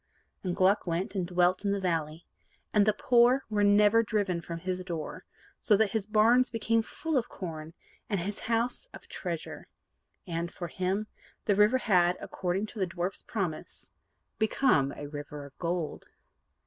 And Gluck went, and dwelt in the valley, and the poor were never driven from his door: so that his barns became full of corn, and his house of treasure. And, for him, the river had, according to the dwarf's promise, become a River of Gold.